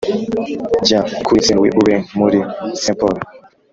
jya kuri st louis ube muri st paul